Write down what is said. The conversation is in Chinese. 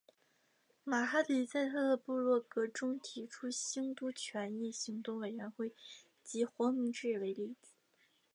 马哈迪在他的部落格中提出兴都权益行动委员会及黄明志为例子。